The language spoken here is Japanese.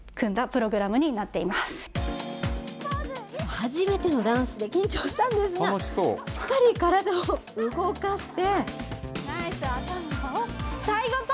初めてのダンスで緊張したんですが、しっかり体を動かして。